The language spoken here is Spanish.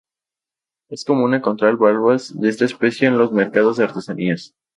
Es común encontrar valvas de esta especie en los mercados de artesanías.